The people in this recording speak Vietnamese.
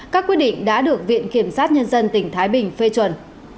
các quyết định đã được viện kiểm sát nhân dân tỉnh thái bình phê chuẩn